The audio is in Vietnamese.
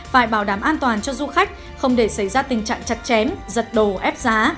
phải bảo đảm an toàn cho du khách không để xảy ra tình trạng chặt chém giật đồ ép giá